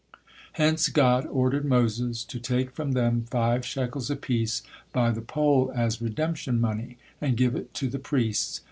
Hence God ordered Moses to take from them five shekels apiece by the poll as redemption money, and give it to the priests.